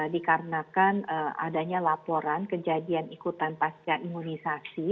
dikarenakan adanya laporan kejadian ikutan pasca imunisasi